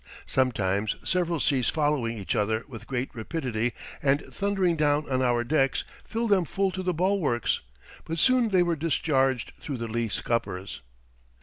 Sometimes several seas following each other with great rapidity and thundering down on our decks filled them full to the bulwarks, but soon they were discharged through the lee scuppers.